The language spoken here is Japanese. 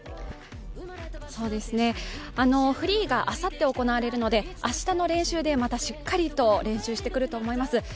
フリーがあさって行われるので明日の練習でまたしっかりと練習してくると思います。